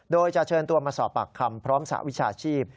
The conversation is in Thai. โดยจะเชิญตัวมาสอบปากคำพร้อมสหวิชาชีพ